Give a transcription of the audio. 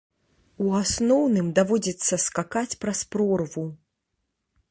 У асноўным даводзіцца скакаць праз прорву.